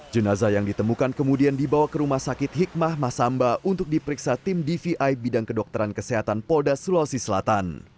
jenazah yang ditemukan kemudian dibawa ke rumah sakit hikmah masamba untuk diperiksa tim dvi bidang kedokteran kesehatan polda sulawesi selatan